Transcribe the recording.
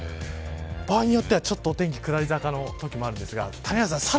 場合によってはお天気下り坂のときもあるんですが谷原さん